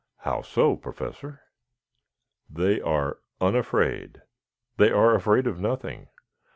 "How so, Professor?" "They are unafraid. They are afraid of nothing.